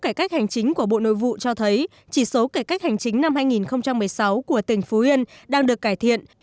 cải cách hành chính của bộ nội vụ cho thấy chỉ số cải cách hành chính năm hai nghìn một mươi sáu của tỉnh phú yên đang được cải thiện